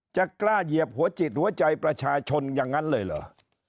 จะกล้าเหยียบหัวจิตหัวใจประชาชนอย่างนั้นเลยเหรอ